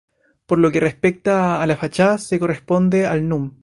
Por lo que respecta a la fachada que se corresponde al núm.